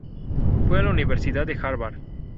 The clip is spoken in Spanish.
Fue a la Universidad Harvard.